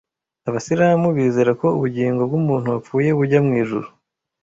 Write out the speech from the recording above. Abisilamu bizera ko ubugingo bw’umuntu wapfuye bujya mu ijuru